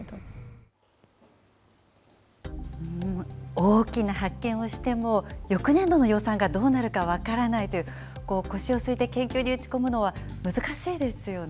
大きな発見をしても、翌年度の予算がどうなるか分からないという、腰を据えて研究に打ち込むのは難しいですよね。